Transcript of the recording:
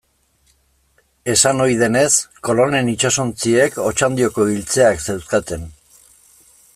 Esan ohi denez, Kolonen itsasontziek Otxandioko iltzeak zeuzkaten.